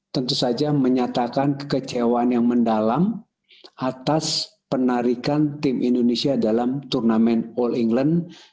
tentu saja menyatakan kekecewaan yang mendalam atas penarikan tim indonesia dalam turnamen all england